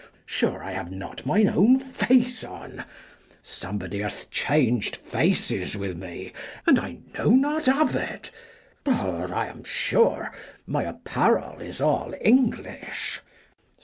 Sure I have not mine own face on ; somebody hath chang'd faces with me, and I know not of it : but I am sure, my apparel is all English.